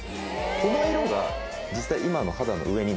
この色が実際今の。